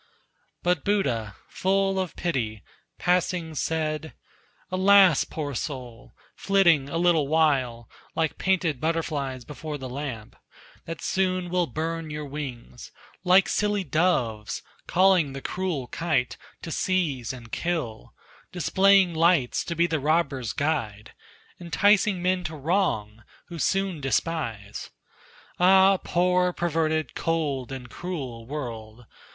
But Buddha, full of pity, passing said: "Alas, poor soul! flitting a little while Like painted butterflies before the lamp That soon will burn your wings; like silly doves, Calling the cruel kite to seize and kill; Displaying lights to be the robber's guide; Enticing men to wrong, who soon despise. Ah! poor, perverted, cold and cruel world!